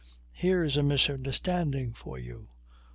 Here's a misunderstanding for you!